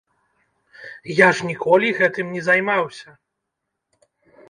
Я ж ніколі гэтым не займаўся.